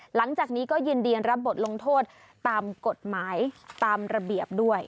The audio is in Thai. หลังจากนี้ก็ยินดีรับบทลงโทษตามกฎหมายตามระเบียบด้วย